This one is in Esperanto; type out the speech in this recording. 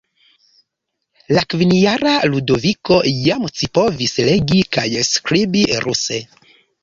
La kvinjara Ludoviko jam scipovis legi kaj skribi ruse.